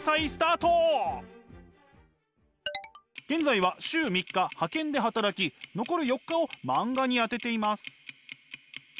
現在は週３日派遣で働き残る４日を漫画に充てています。